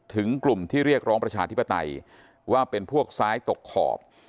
กลุ่มที่เรียกร้องประชาธิปไตยว่าเป็นพวกซ้ายตกขอบ